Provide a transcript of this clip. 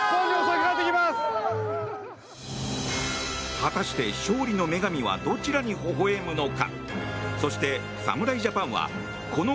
果たして勝利の女神はどちらにほほ笑むのか。